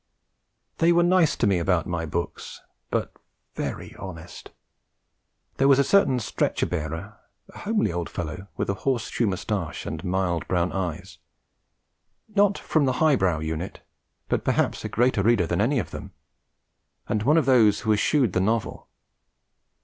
They were very nice to me about my books but very honest! There was a certain stretcher bearer, a homely old fellow with a horse shoe moustache and mild brown eyes; not from the high brow unit, but perhaps a greater reader than any of them; and one of those who eschewed the novel.